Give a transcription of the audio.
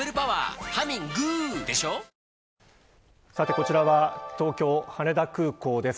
こちらは東京、羽田空港です。